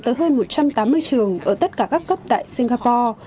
tới hơn một trăm tám mươi trường ở tất cả các cấp tại singapore